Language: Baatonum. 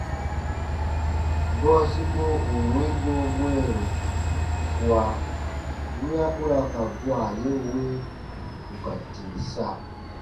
Gɔɔ siko ù n win nɔɔ mwɛɛru kua wiya u ra ka gua ye we ù ka tìm sa.